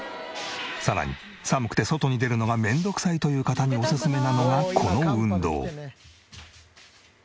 さらに寒くて外に出るのが面倒くさいという方にオススメなのがこの運動。